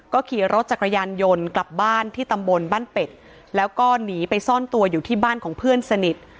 ขี่รถจักรยานยนต์กลับบ้านที่ตำบลบ้านเป็ดแล้วก็หนีไปซ่อนตัวอยู่ที่บ้านของเพื่อนสนิท